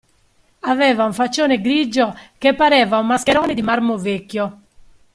Aveva un faccione grigio che pareva un mascherone di marmo vecchio.